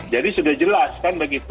jadi sudah jelas kan begitu